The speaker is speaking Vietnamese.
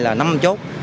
là năm chốt